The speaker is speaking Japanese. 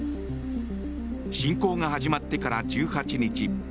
侵攻が始まってから１８日。